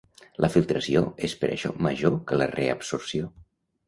La filtració és per això major que la reabsorció.